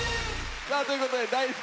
さあということで「大好き」。